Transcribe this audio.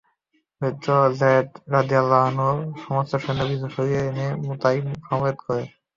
হযরত Zaid রাযিয়াল্লাহু আনহু সমস্ত সৈন্য পিছু সরিয়ে এনে মুতায় সমবেত করে।